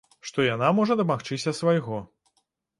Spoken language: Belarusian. Што яна можа дамагчыся свайго.